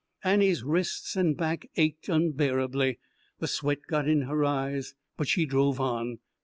Annie's wrists and back ached unbearably, the sweat got in her eyes, but she drove on.